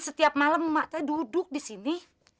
setiap malam mak teh duduk di sini